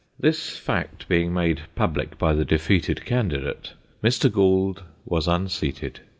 This fact being made public by the defeated candidate, Mr. Gould was unseated.